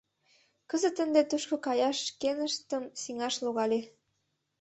Кызыт ынде тушко каяш шкеныштым сеҥаш логале.